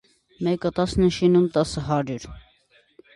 մեկը տասն էին շինում, տասը - հարյուր: